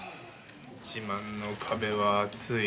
１万の壁は厚い。